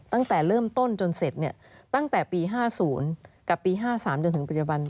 ตั้งแต่เริ่มต้นจนเสร็จตั้งแต่ปี๕๐กับปี๕๓จนถึงปัจจุบัน